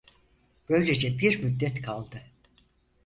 Böylece bir müddet kaldı.